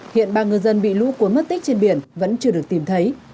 hiện ba ngư dân bị lũ cuốn mất tích trên biển vẫn chưa được tìm thấy